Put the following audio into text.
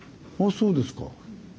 そうですか。